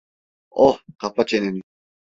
Oh, kapa çeneni.